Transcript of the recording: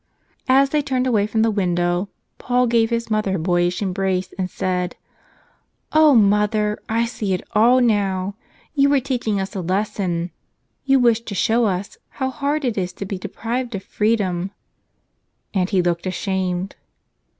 As they turned away from the window, Paul gave his mother a boyish embrace, and said: "O mother, I see it all now — you were teaching us a lesson. You wished to show us how hard it is to be deprived of freedom." And he looked ashamed.